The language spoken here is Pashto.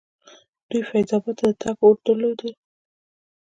دوی فیض اباد ته د تګ هوډ درلودل.